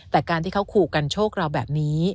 แต่การที่เขาขู่กันโชคเราแบบนี้